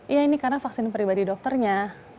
iya ini karena vaksin pribadi dokternya